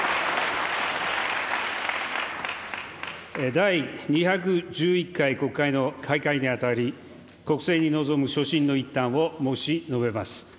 第２１１回国会の開会に当たり、国政に臨む所信の一端を申し述べます。